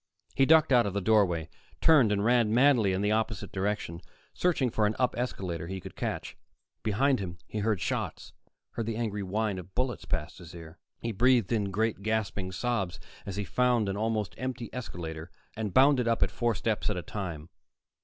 He ducked out of the doorway, turned and ran madly in the opposite direction, searching for an up escalator he could catch. Behind him he heard shots, heard the angry whine of bullets past his ear. He breathed in great, gasping sobs as he found an almost empty escalator, and bounded up it four steps at a time.